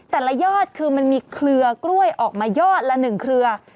ยอดคือมันมีเครือกล้วยออกมายอดละ๑เครือ